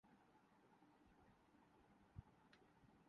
بال tampering case سٹریلوی سزا یافتہ کھلاڑیوں نےغلطی کا اعتراف کر لیا